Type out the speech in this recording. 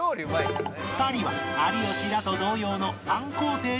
２人は有吉らと同様の３工程にチャレンジ